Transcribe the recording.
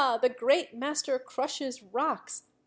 The great master crushes rocks.